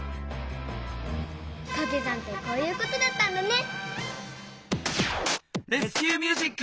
かけ算ってこういうことだったんだね！